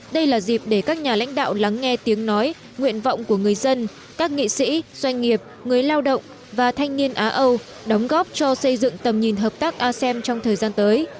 đây là dịp để các nhà lãnh đạo lắng nghe tiếng nói nguyện vọng của người dân các nghị sĩ doanh nghiệp người lao động và thanh niên á âu đóng góp cho xây dựng tầm nhìn hợp tác asem trong thời gian tới